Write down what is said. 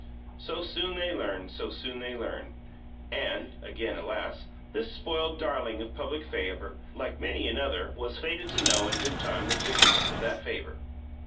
So soon they learn; so soon they learn! And (again alas!) this spoiled darling of public favour, like many another, was fated to know, in good time, the fickleness of that favour.